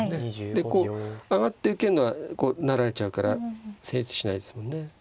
でこう上がって受けんのはこう成られちゃうから成立しないですもんね。